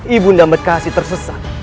ibu ndamberkasi tersesat